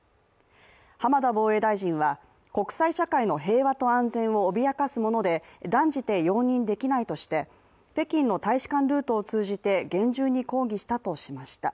浜田防衛大臣は、国際社会の平和と安全を脅かすもので、断じて容認できないとして北京の大使館ルートを通じて厳重に抗議したとしました。